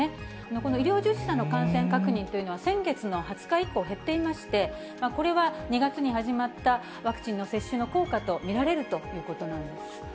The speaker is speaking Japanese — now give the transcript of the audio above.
この医療従事者の感染確認というのは、先月の２０日以降、減っていまして、これは２月に始まったワクチンの接種の効果と見られるということなんです。